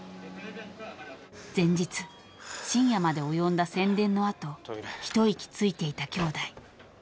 ［前日深夜まで及んだ宣伝の後一息ついていた兄弟。